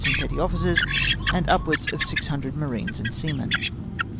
91 and petty officers, and upwards of 600 marines and seamen.